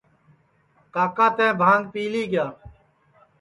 کاکا تیں بھانٚگ پیلی کیا